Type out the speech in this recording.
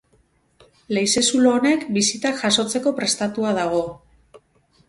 Leize-zulo honek bisitak jasotzeko prestatua dago.